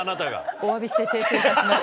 おわびして訂正いたします。